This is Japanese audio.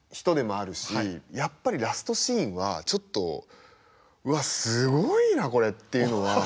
やっぱりラストシーンはちょっとうわっすごいなこれっていうのは。